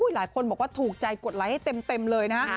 หลายคนบอกว่าถูกใจกดไลค์ให้เต็มเลยนะฮะ